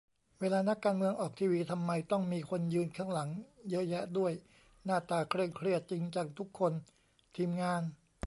เวลานักการเมืองออกทีวี ทำไมต้องมีคนยืนข้างหลังเยอะแยะด้วย หน้าตาเคร่งเครียดจริงจังทุกคน ทีมงาน ?